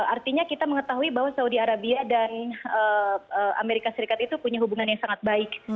artinya kita mengetahui bahwa saudi arabia dan amerika serikat itu punya hubungan yang sangat baik